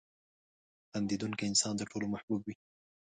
• خندېدونکی انسان د ټولو محبوب وي.